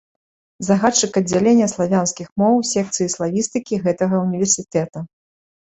Загадчык аддзялення славянскіх моў секцыі славістыкі гэтага ўніверсітэта.